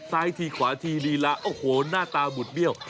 ซ้ายทีขวาทีลีลาโอ้โหหน้าตาบุดเบี้ยว